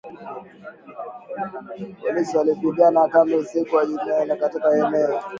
Polisi walipiga kambi usiku wa Ijumaa katika eneo